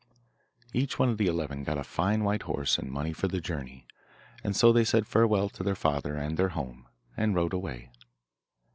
Each one of the eleven got a fine white horse and money for the journey, and so they said farewell to their father and their home, and rode away.